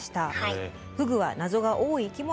フグは謎が多い生き物。